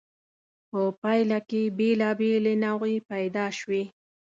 په پایله کې بېلابېلې نوعې پیدا شوې.